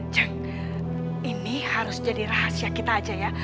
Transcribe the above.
ceng ini harus jadi rahasia kita aja ya